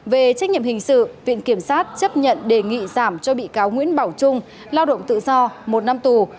về trách nhiệm hình sự viện kiểm sát chấp nhận đề nghị giảm cho bị cáo nguyễn bảo trung lao động tự do một năm tù